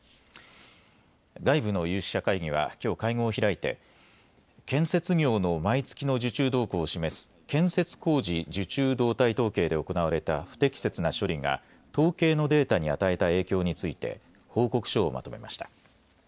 外部の有識者会議はきょう会合を開いて、建設業の毎月の受注動向を示す建設工事受注動態統計で行われた不適切な処理が、統計のデータに与えた影響について、報告書をまとめました。